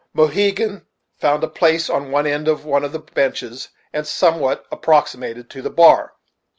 Mohegan found a place on an end of one of the benches, and somewhat approximated to the bar.